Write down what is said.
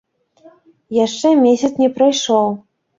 Яшчэ месяц не прайшоў.